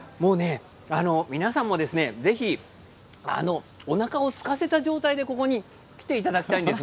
皆さんもぜひおなかをすかせた状態でここに来ていただきたいです。